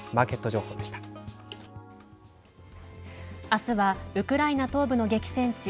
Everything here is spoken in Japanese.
あすはウクライナ東部の激戦地